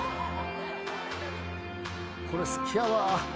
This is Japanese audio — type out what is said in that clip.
これ好きやわ。